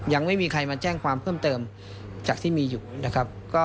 ยังไม่มีใครมาแจ้งความเพิ่มเติมจากที่มีอยู่นะครับ